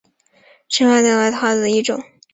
是帘蛤目鸟尾蛤科棘刺鸟蛤属的一种。